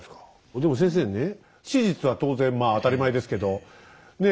でも先生ねえ史実は当然まあ当たり前ですけどねえ？